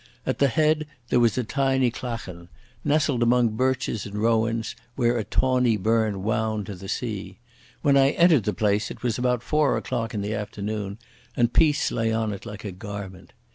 At the head there was a tiny clachan, nestled among birches and rowans, where a tawny burn wound to the sea. When I entered the place it was about four o'clock in the afternoon, and peace lay on it like a garment.